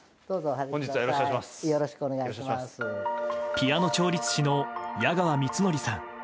ピアノ調律師の矢川光則さん。